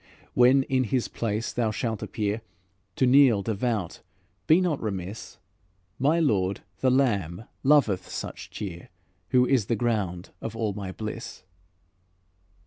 When in His place thou shalt appear, To kneel devout be not remiss, My Lord the Lamb loveth such cheer, Who is the ground of all my bliss."